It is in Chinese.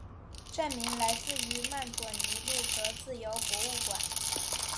站名来自于曼佐尼路和自由博物馆。